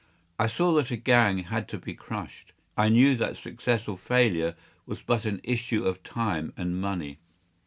I saw that a gang had to be crushed. I knew that success or failure was but an issue of time and money.